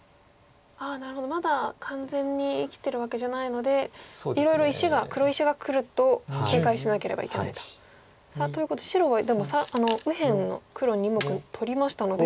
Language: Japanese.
なるほどまだ完全に生きてるわけじゃないのでいろいろ黒石がくると警戒しなければいけないと。ということで白はでも右辺の黒２目取りましたので。